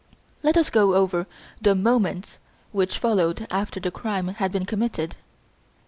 Let us go over the moments which followed after the crime had been committed.